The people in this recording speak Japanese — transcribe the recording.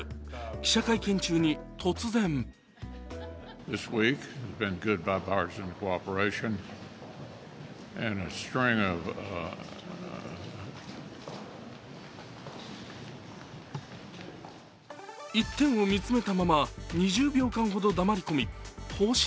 記者会見中に突然一点を見つめたまま２０秒間ほど黙り込み放心